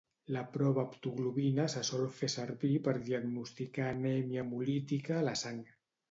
La prova haptoglobina se sol fer servir per diagnosticar anèmia hemolítica a la sang